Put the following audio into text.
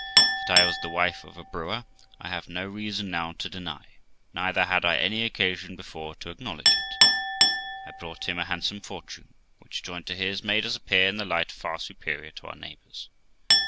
That I was the wife of a brewer, I have no reason now to deny, neither had I any occasion before to acknowledge it. I brought him a handsome fortune, which, joined to his, made us appear in a light far superior to our neighbours.